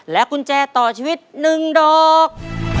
กุญแจต่อชีวิต๑ดอก